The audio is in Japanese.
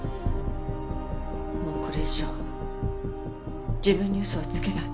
もうこれ以上自分に嘘はつけない。